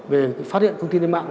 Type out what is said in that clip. về phát hiện thông tin trên mạng